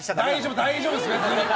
大丈夫です。